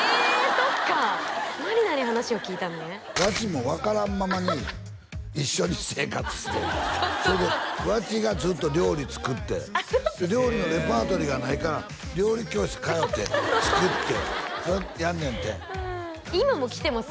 そっか茉璃奈に話を聞いたのね和智も分からんままに一緒に生活してそうそうそうそれで和智がずっと料理作って料理のレパートリーがないから料理教室通って作ってやるねんて今も来てます